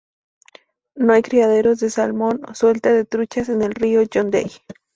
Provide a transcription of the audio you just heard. No hay criaderos de salmón o suelta de truchas en el río John Day.